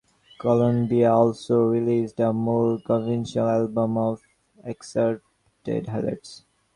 Columbia also released a more conventional album of excerpted highlights.